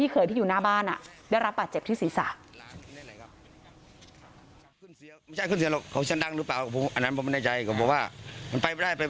คนที่อยู่ในรถตื้อทึบก็พูดว่าชนไปเลย